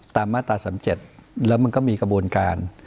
มาตรา๓๗แล้วมันก็มีกระบวนการ